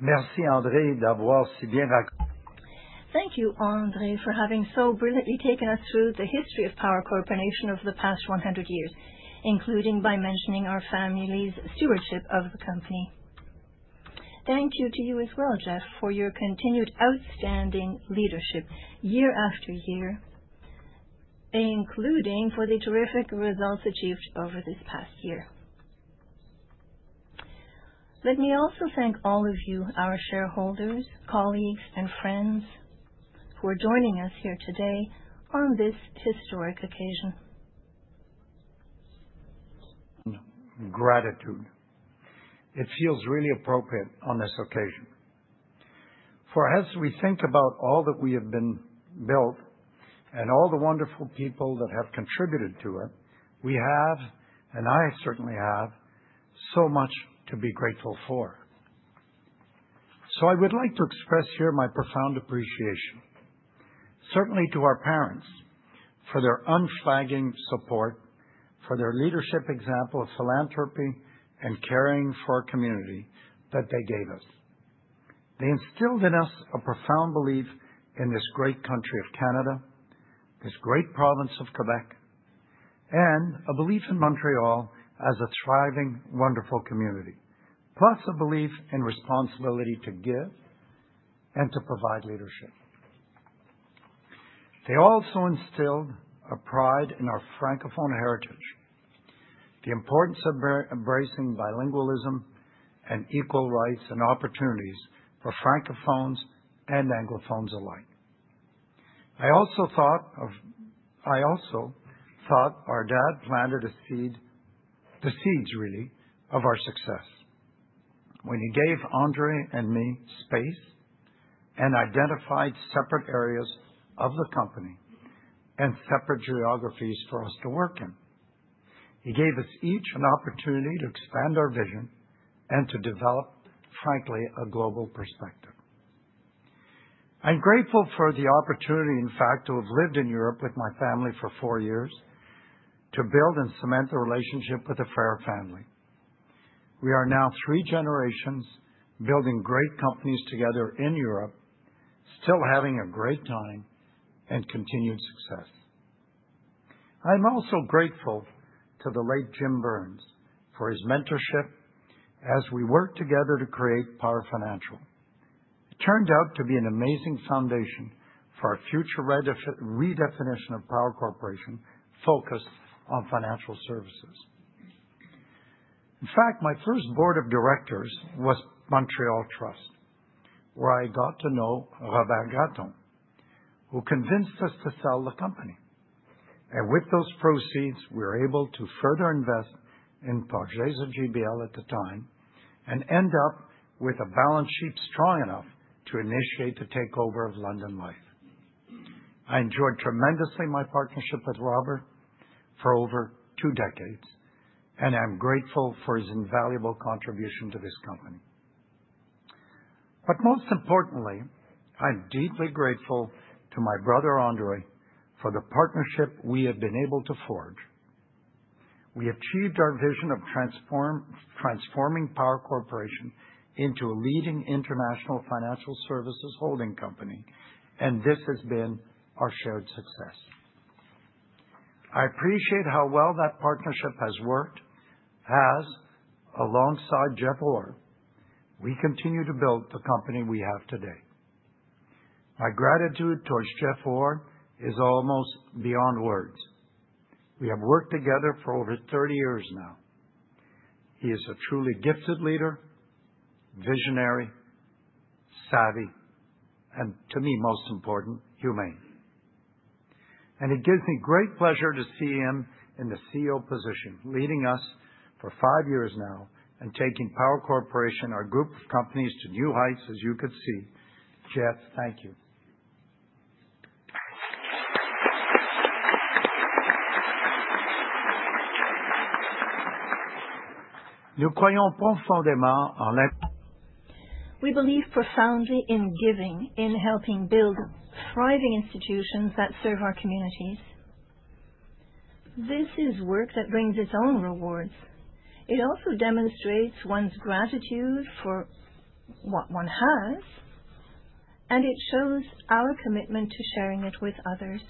Merci, André, d'avoir si bien ra- Thank you, Andre, for having so brilliantly taken us through the history of Power Corporation over the past one hundred years, including by mentioning our family's stewardship of the company. Thank you to you as well, Jeff, for your continued outstanding leadership year after year, including for the terrific results achieved over this past year. Let me also thank all of you, our shareholders, colleagues and friends, who are joining us here today on this historic occasion. Gratitude. It feels really appropriate on this occasion, for as we think about all that we have been built and all the wonderful people that have contributed to it, we have, and I certainly have, so much to be grateful for. So I would like to express here my profound appreciation, certainly to our parents, for their unflagging support, for their leadership example of philanthropy and caring for our community that they gave us. They instilled in us a profound belief in this great country of Canada, this great province of Quebec, and a belief in Montreal as a thriving, wonderful community, plus a belief and responsibility to give and to provide leadership. They also instilled a pride in our Francophone heritage, the importance of embracing bilingualism and equal rights and opportunities for Francophones and Anglophones alike. I also thought of... I also thought our dad planted a seed, the seeds, really, of our success when he gave Andre and me space and identified separate areas of the company and separate geographies for us to work in. He gave us each an opportunity to expand our vision and to develop, frankly, a global perspective. I'm grateful for the opportunity, in fact, to have lived in Europe with my family for four years, to build and cement a relationship with the Fair family. We are now three generations building great companies together in Europe, still having a great time and continued success. I'm also grateful to the late Jim Burns for his mentorship as we worked together to create Power Financial. It turned out to be an amazing foundation for our future redefinition of Power Corporation, focused on financial services. In fact, my first board of directors was Montreal Trust, where I got to know Robert Gatton, who convinced us to sell the company. With those proceeds, we were able to further invest in Projects of GBL at the time and end up with a balance sheet strong enough to initiate the takeover of London Life. I enjoyed tremendously my partnership with Robert for over two decades, and I'm grateful for his invaluable contribution to this company. But most importantly, I'm deeply grateful to my brother, Andre, for the partnership we have been able to forge. We achieved our vision of transforming Power Corporation into a leading international financial services holding company, and this has been our shared success. I appreciate how well that partnership has worked, as alongside Jeff Orr, we continue to build the company we have today. My gratitude towards Jeff Orr is almost beyond words. We have worked together for over thirty years now. He is a truly gifted leader, visionary, savvy, and to me, most important, humane. It gives me great pleasure to see him in the CEO position, leading us for five years now and taking Power Corporation, our group of companies, to new heights, as you could see. Jeff, thank you. We believe profoundly in giving, in helping build thriving institutions that serve our communities. This is work that brings its own rewards. It also demonstrates one's gratitude for what one has, and it shows our commitment to sharing it with others.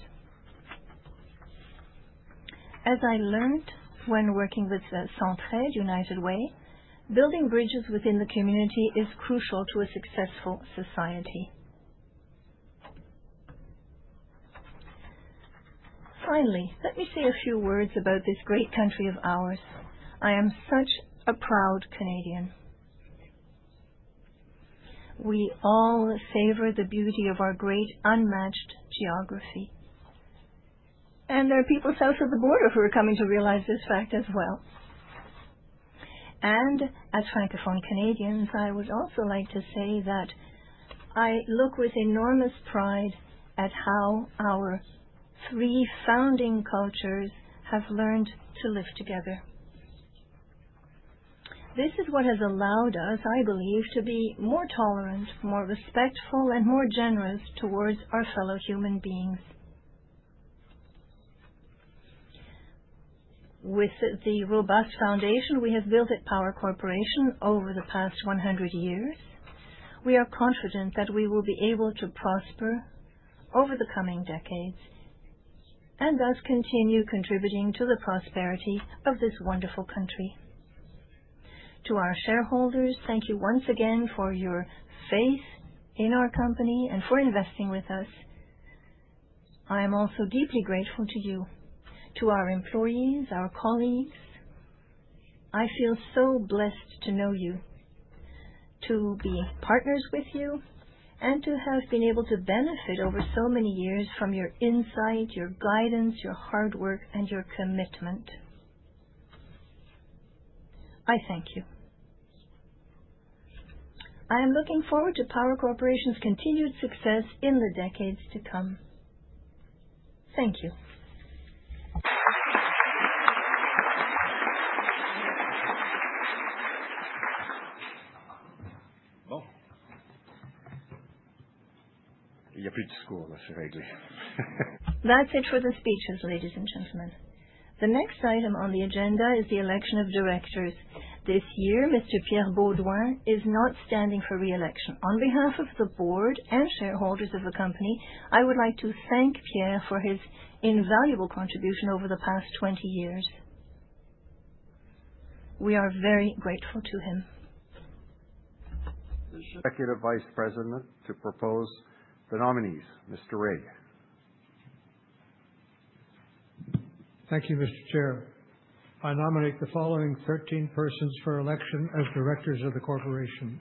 As I learned when working with the Centraide United Way, building bridges within the community is crucial to a successful society. Finally, let me say a few words about this great country of ours. I am such a proud Canadian. We all favor the beauty of our great, unmatched geography, and there are people south of the border who are coming to realize this fact as well. As Francophone Canadians, I would also like to say that I look with enormous pride at how our three founding cultures have learned to live together. This is what has allowed us, I believe, to be more tolerant, more respectful, and more generous towards our fellow human beings. With the robust foundation we have built at Power Corporation over the past one hundred years, we are confident that we will be able to prosper over the coming decades and thus continue contributing to the prosperity of this wonderful country. To our shareholders, thank you once again for your faith in our company and for investing with us. I am also deeply grateful to you, to our employees, our colleagues. I feel so blessed to know you, to be partners with you, and to have been able to benefit over so many years from your insight, your guidance, your hard work, and your commitment. I thank you. I am looking forward to Power Corporation's continued success in the decades to come. Thank you. That's it for the speeches, ladies and gentlemen. The next item on the agenda is the election of directors. This year, Mr. Pierre Beaudoin is not standing for re-election. On behalf of the board and shareholders of the company, I would like to thank Pierre for his invaluable contribution over the past twenty years. We are very grateful to him. Executive Vice President to propose the nominees. Mr. Ray? Thank you, Mr. Chair. I nominate the following thirteen persons for election as directors of the corporation: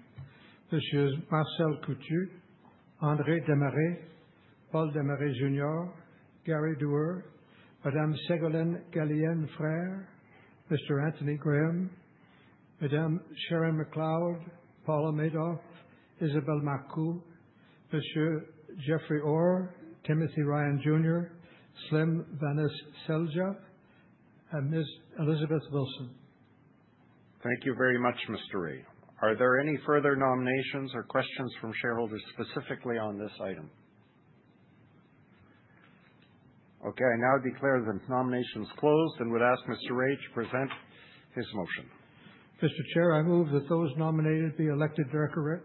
Monsieur Marcel Coutu, Andre Desmarais, Paul Desmarais Jr., Gary Dewar, Madame Segolene Galienne-Frere, Mr. Anthony Graham, Madame Sharon McLeod, Paula Madoff, Isabelle Marcou, Monsieur Geoffrey Orr, Timothy Ryan Jr., Slim Vanes Selja, and Ms. Elizabeth Wilson. Thank you very much, Mr. Ray. Are there any further nominations or questions from shareholders specifically on this item? Okay, I now declare the nominations closed and would ask Mr. Ray to present his motion. Mr. Chair, I move that those nominated be elected director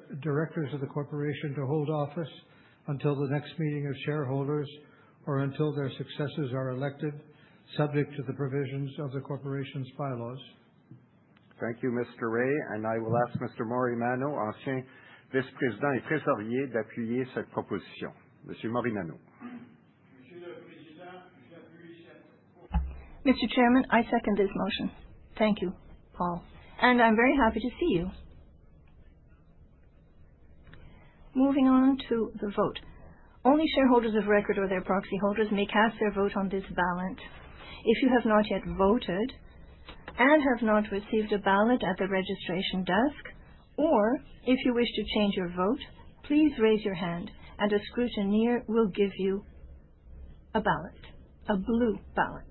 of the corporation to hold office until the next meeting of shareholders or until their successors are elected, subject to the provisions of the corporation's bylaws. Thank you, Mr. Ray, and I will ask Mr. Morimano, Mr. Chairman, I second this motion. Thank you, Paul, and I'm very happy to see you. Moving on to the vote. Only shareholders of record or their proxy holders may cast their vote on this ballot. If you have not yet voted and have not received a ballot at the registration desk, or if you wish to change your vote, please raise your hand, and a scrutineer will give you a ballot, a blue ballot.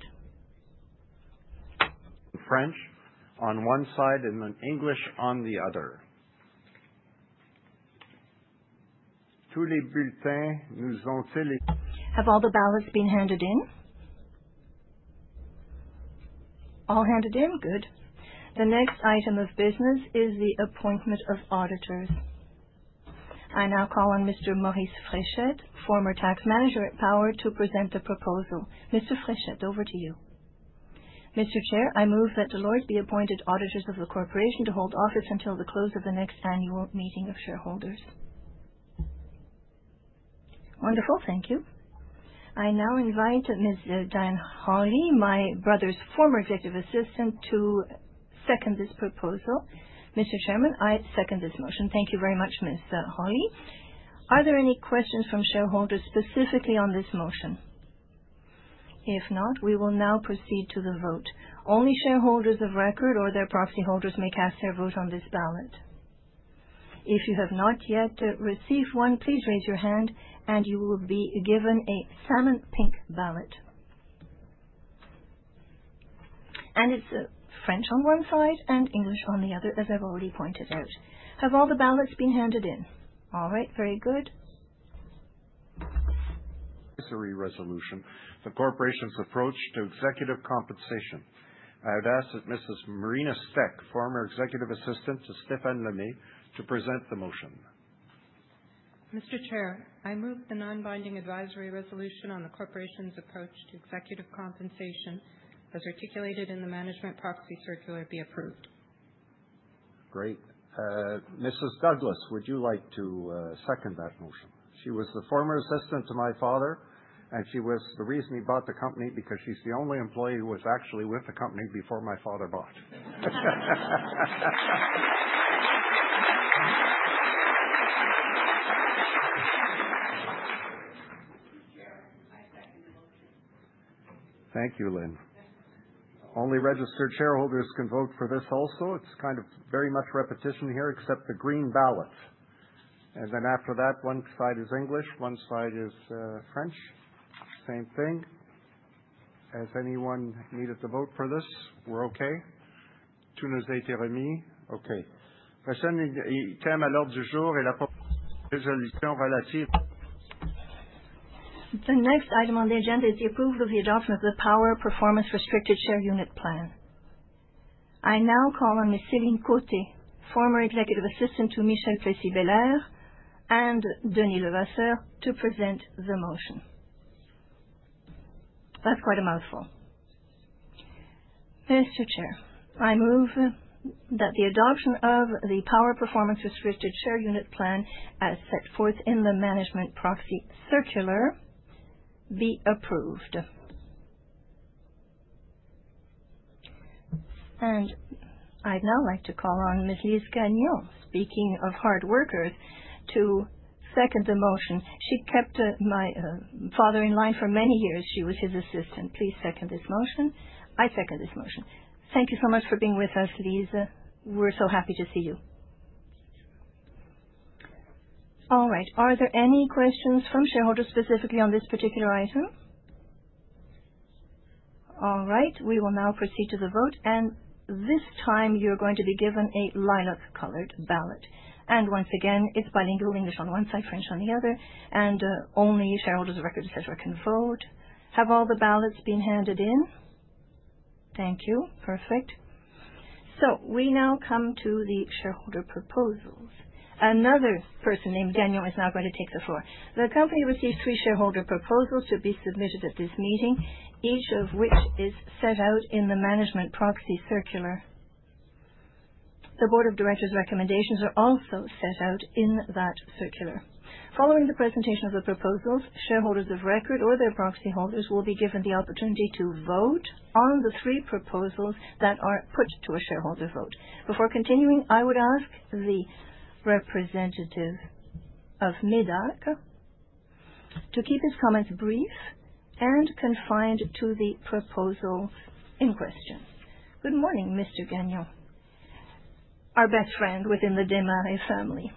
French on one side and then English on the other. Have all the ballots been handed in? All handed in. Good. The next item of business is the appointment of auditors. I now call on Mr. Maurice Fréchette, former Tax Manager at Power, to present the proposal. Mr. Fréchette, over to you. Mr. Chair, I move that Deloitte be appointed auditors of the corporation to hold office until the close of the next annual meeting of shareholders. Wonderful. Thank you. I now invite Ms. Diane Holly, my brother's former Executive Assistant, to second this proposal. Mr. Chairman, I second this motion. Thank you very much, Ms. Holly. Are there any questions from shareholders specifically on this motion? If not, we will now proceed to the vote. Only shareholders of record or their proxy holders may cast their vote on this ballot. If you have not yet received one, please raise your hand, and you will be given a salmon pink ballot. It's French on one side and English on the other, as I've already pointed out. Have all the ballots been handed in? All right, very good. Advisory resolution, the corporation's approach to executive compensation. I would ask that Mrs. Marina Speck, former executive assistant to Stefan Lemay, to present the motion. Mr. Chair, I move the non-binding advisory resolution on the corporation's approach to executive compensation, as articulated in the management proxy circular, be approved. Great. Mrs. Douglas, would you like to second that motion? She was the former assistant to my father, and she was the reason he bought the company, because she's the only employee who was actually with the company before my father bought. Yeah, I second the motion. Thank you, Lynn. Thank you. Only registered shareholders can vote for this also. It's kind of very much repetition here, except the green ballot. And then after that, one side is English, one side is French. Same thing. Has anyone needed to vote for this? We're okay. The next item on the agenda is the approval of the adoption of the Power Performance Restricted Share Unit Plan. I now call on Miss Celine Cote, former executive assistant to Michel Plessy-Bellair and Denise Levasseur, to present the motion. That's quite a mouthful. Mr. Chair, I move that the adoption of the Power Performance Restricted Share Unit Plan, as set forth in the management proxy circular, be approved. I'd now like to call on Louise Gagnon, speaking of hard workers, to second the motion. She kept my father in line for many years. She was his assistant. Please second this motion. I second this motion. Thank you so much for being with us, Louise. We're so happy to see you. All right, are there any questions from shareholders, specifically on this particular item? All right, we will now proceed to the vote, and this time, you're going to be given a lilac-colored ballot. Once again, it's bilingual, English on one side, French on the other, and only shareholders of record, etc., can vote. Have all the ballots been handed in? Thank you. Perfect. So we now come to the shareholder proposals. Another person named Daniel is now going to take the floor. The company received three shareholder proposals to be submitted at this meeting, each of which is set out in the management proxy circular. The board of directors' recommendations are also set out in that circular. Following the presentation of the proposals, shareholders of record or their proxy holders will be given the opportunity to vote on the three proposals that are put to a shareholder vote. Before continuing, I would ask the representative of MEDAC to keep his comments brief and confined to the proposal in question. Good morning, Mr. Gagnon, our best friend within the Desmarais family.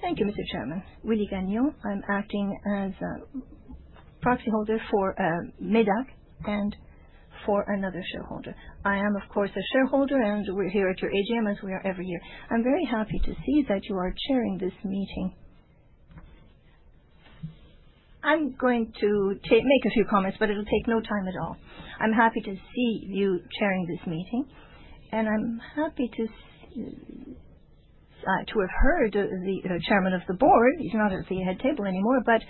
Thank you, Mr. Chairman. Willie Gagnon. I'm acting as a proxy holder for MEDAC and for another shareholder. I am, of course, a shareholder, and we're here at your AGM, as we are every year. I'm very happy to see that you are chairing this meeting. I'm going to make a few comments, but it'll take no time at all. I'm happy to see you chairing this meeting, and I'm happy to see to have heard the chairman of the board. He's not at the head table anymore, but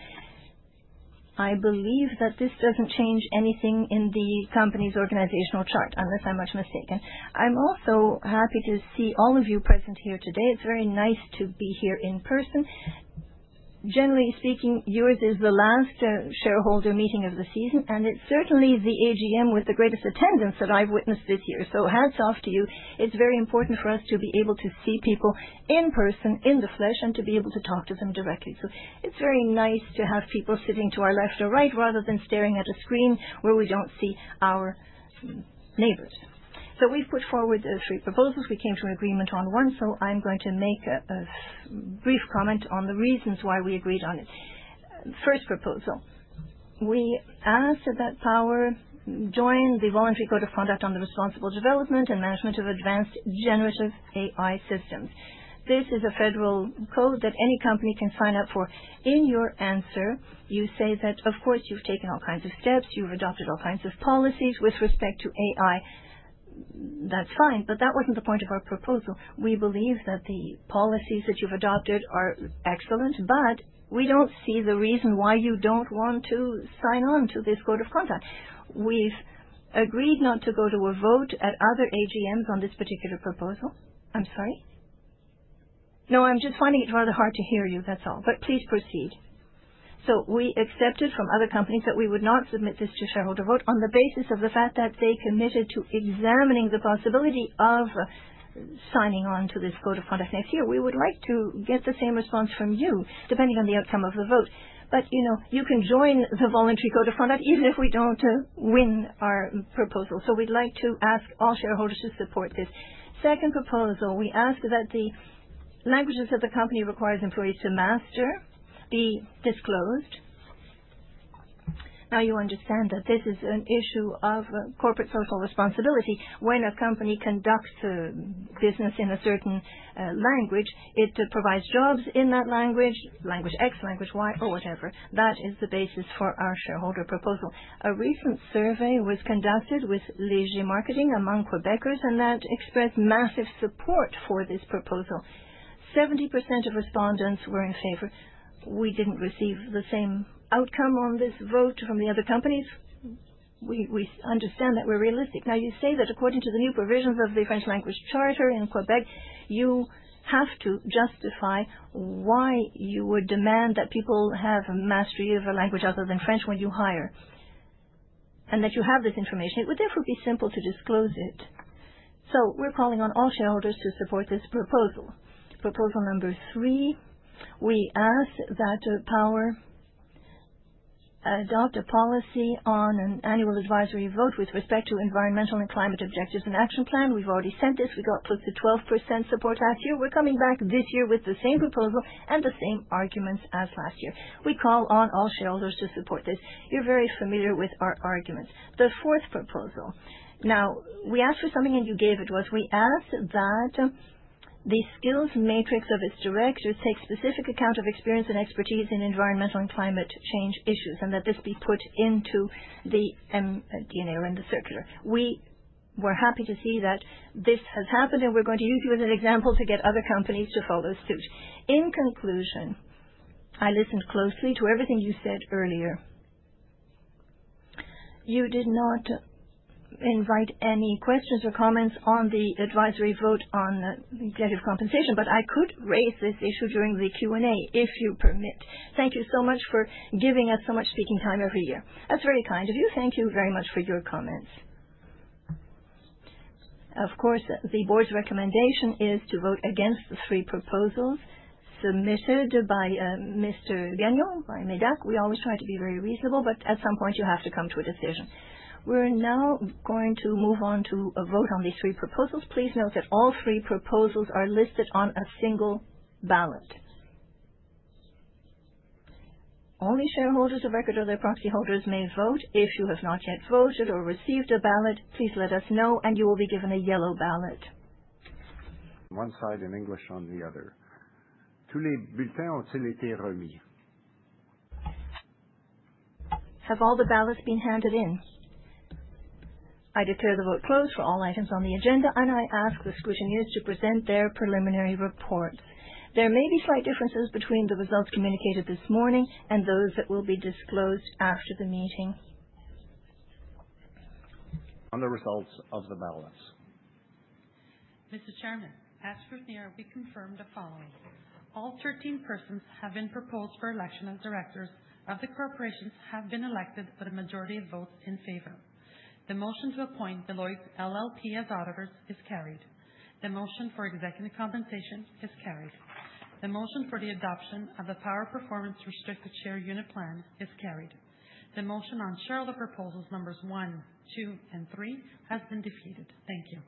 I believe that this doesn't change anything in the company's organizational chart, unless I'm much mistaken. I'm also happy to see all of you present here today. It's very nice to be here in person. Generally speaking, yours is the last shareholder meeting of the season, and it's certainly the AGM with the greatest attendance that I've witnessed this year. So hats off to you. It's very important for us to be able to see people in person, in the flesh, and to be able to talk to them directly. So it's very nice to have people sitting to our left or right, rather than staring at a screen where we don't see our neighbors. So we've put forward three proposals. We came to an agreement on one, so I'm going to make a brief comment on the reasons why we agreed on it. First proposal, we asked that Power join the voluntary code of conduct on the responsible development and management of advanced generative AI systems. This is a federal code that any company can sign up for. In your answer, you say that, of course, you've taken all kinds of steps, you've adopted all kinds of policies with respect to AI. That's fine, but that wasn't the point of our proposal. We believe that the policies that you've adopted are excellent, but we don't see the reason why you don't want to sign on to this code of conduct. We've agreed not to go to a vote at other AGMs on this particular proposal. I'm sorry? No, I'm just finding it rather hard to hear you, that's all, but please proceed. We accepted from other companies that we would not submit this to shareholder vote on the basis of the fact that they committed to examining the possibility of signing on to this code of conduct next year. We would like to get the same response from you, depending on the outcome of the vote. But, you know, you can join the voluntary code of conduct even if we don't win our proposal. We'd like to ask all shareholders to support this. Second proposal, we ask that the languages that the company requires employees to master be disclosed. Now, you understand that this is an issue of corporate social responsibility. When a company conducts business in a certain language, it provides jobs in that language, language X, language Y, or whatever. That is the basis for our shareholder proposal. A recent survey was conducted with Léger Marketing among Quebecers, and that expressed massive support for this proposal. 70% of respondents were in favor. We didn't receive the same outcome on this vote from the other companies. We understand that we're realistic. Now, you say that according to the new provisions of the French Language Charter in Quebec, you have to justify why you would demand that people have a mastery of a language other than French when you hire, and that you have this information. It would therefore be simple to disclose it. So we're calling on all shareholders to support this proposal. Proposal number three, we ask that Power adopt a policy on an annual advisory vote with respect to environmental and climate objectives and action plan. We've already said this. We got close to 12% support last year. We're coming back this year with the same proposal and the same arguments as last year. We call on all shareholders to support this. You're very familiar with our arguments. The fourth proposal. Now, we asked for something, and you gave it to us. We ask that the skills matrix of its directors take specific account of experience and expertise in environmental and climate change issues, and that this be put into the DNA or in the circular. We were happy to see that this has happened, and we're going to use you as an example to get other companies to follow suit. In conclusion, I listened closely to everything you said earlier. You did not invite any questions or comments on the advisory vote on the executive compensation, but I could raise this issue during the Q&A, if you permit. Thank you so much for giving us so much speaking time every year. That's very kind of you. Thank you very much for your comments. Of course, the board's recommendation is to vote against the three proposals submitted by Mr. Daniel, by MEDAC. We always try to be very reasonable, but at some point, you have to come to a decision. We're now going to move on to a vote on these three proposals. Please note that all three proposals are listed on a single ballot. Only shareholders of record or their proxy holders may vote. If you have not yet voted or received a ballot, please let us know, and you will be given a yellow ballot. One side in English on the other. Have all the ballots been handed in? I declare the vote closed for all items on the agenda, and I ask the scrutineers to present their preliminary report. There may be slight differences between the results communicated this morning and those that will be disclosed after the meeting. On the results of the ballots. Mr. Chairman, as scrutineer, we confirm the following: All thirteen persons who have been proposed for election as directors of the corporation have been elected by the majority of votes in favor. The motion to appoint Deloitte LLP as auditors is carried. The motion for executive compensation is carried. The motion for the adoption of the Power Performance Restricted Share Unit Plan is carried. The motion on shareholder proposals numbers one, two, and three has been defeated. Thank you.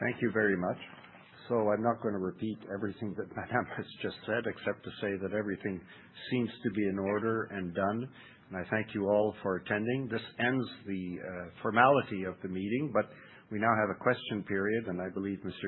Thank you very much. I'm not going to repeat everything that Madam has just said, except to say that everything seems to be in order and done, and I thank you all for attending. This ends the formality of the meeting, but we now have a question period, and I believe Mr. Gagnon-